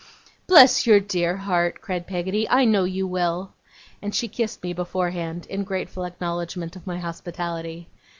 'Bless your dear heart!' cried Peggotty. 'I know you will!' And she kissed me beforehand, in grateful acknowledgement of my hospitality.